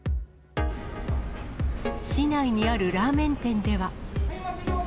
市内にあるラーメン店では。